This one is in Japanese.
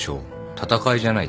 闘いじゃない。